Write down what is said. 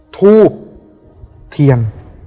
ทูบเทียน